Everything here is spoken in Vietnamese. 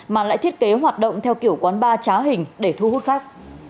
mà lại thiết kế hoạt động theo kiểu quán ba trá hình để thu hút khách